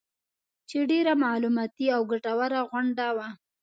چې ډېره معلوماتي او ګټوره غونډه وه